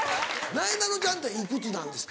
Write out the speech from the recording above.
なえなのちゃんっていくつなんですか？